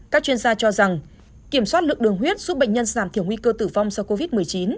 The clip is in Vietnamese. các chuyên gia cho rằng kiểm soát lượng đường huyết giúp bệnh nhân giảm thiểu nguy cơ tử vong do covid một mươi chín